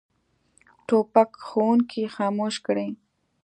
توپک ښوونکي خاموش کړي.